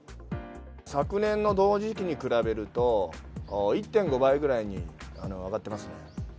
昨年の同時期に比べると、１．５倍ぐらいに上がってますね。